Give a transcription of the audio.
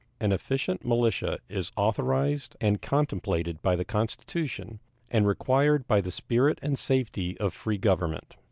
An efficient militia is authorized and contemplated by the Constitution and required by the spirit and safety of free government.